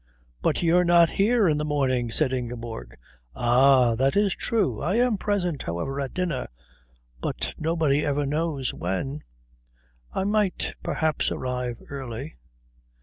"But you're not here in the morning," said Ingeborg. "Ah that is true. I am present, however, at dinner." "But nobody ever knows when." "I might, perhaps, arrive early."